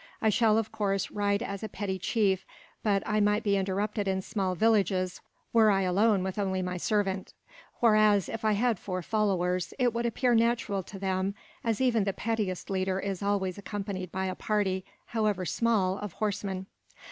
I shall, of course, ride as a petty chief, but I might be interrupted in small villages, were I alone with only my servant; whereas, if I had four followers, it would appear natural to them, as even the pettiest leader is always accompanied by a party, however small, of horsemen."